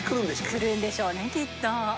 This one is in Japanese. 来るんでしょうねきっと。